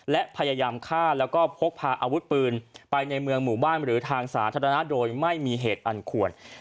และพยายามฆ่าแล้วก็พกพาอาวุธปืนไปในเมืองหมู่บ้านหรือทางสาธารณะโดยไม่มีเหตุอันควร